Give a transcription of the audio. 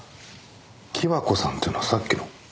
貴和子さんっていうのはさっきの？